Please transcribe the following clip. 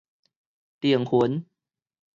靈魂